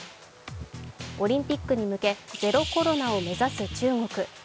オリンピックに向け、ゼロコロナを目指す中国。